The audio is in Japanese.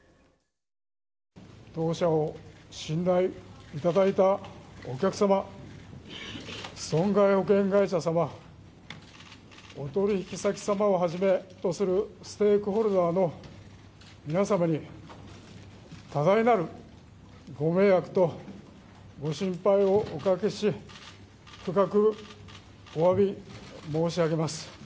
当社を信頼いただいたお客様、損害保険会社様、お取り引き先様をはじめとするステークホルダーの皆様に多大なるご迷惑とご心配をおかけし、深くおわび申し上げます。